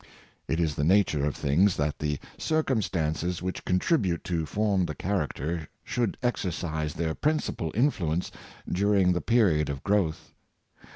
It is in the nature of things that the circumstances which contribute to form the character should exercise their principal influence during the period of growth.